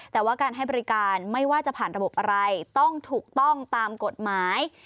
แต่ว่าการให้บริการไม่ว่าจะผ่านระบบอะไรต้องถูกต้องตามกฎหมาย